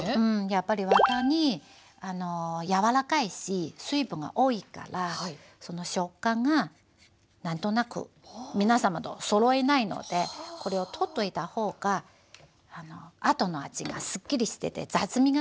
やっぱりワタに柔らかいし水分が多いから食感が何となく皆様とそろえないのでこれを取っといた方が後の味がすっきりしてて雑味がないものにします。